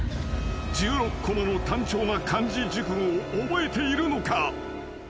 ［１６個もの単調な漢字熟語を覚えているのか？］